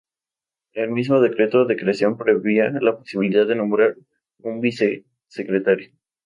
El mismo decreto de creación preveía la posibilidad de nombrar un vicesecretario.